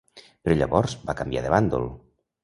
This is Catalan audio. Però llavors va canviar de bàndol.